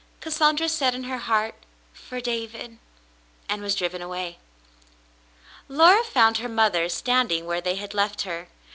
Cassandra said in her heart, "For David," and was driven away. Laura found her mother standing where they had left her.